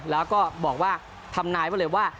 แล้วก็บอกว่าทำนายไว้เลยว่า